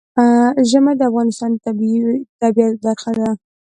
ژمی د افغانستان د طبیعت برخه ده.